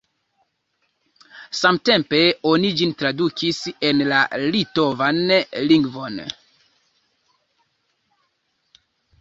Samtempe oni ĝin tradukis en la litovan lingvon.